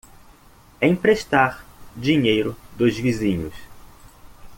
Emprestar dinheiro dos vizinhos